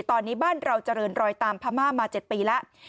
ตอนนี้บ้านเราเจริญรอยตามพม่ามา๗ปีแล้ว